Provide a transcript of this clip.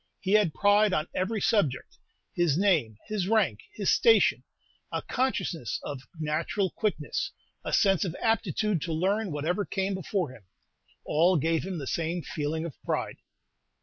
He had pride on every subject. His name, his rank, his station, a consciousness of natural quickness, a sense of aptitude to learn whatever came before him, all gave him the same feeling of pride.